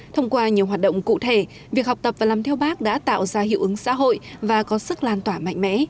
thông qua nhiều hoạt động cụ thể việc học tập và làm theo bác đã tạo ra hiệu ứng xã hội và có sức lan tỏa mạnh mẽ